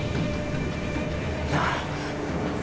なあ？